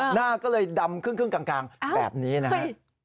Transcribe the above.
หน้าก็เลยดำครึ่งกลางแบบนี้นะฮะ